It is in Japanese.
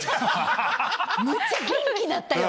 むっちゃ元気になったよ。